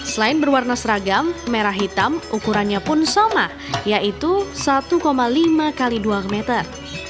selain berwarna seragam merah hitam ukurannya pun sama yaitu satu lima x dua meter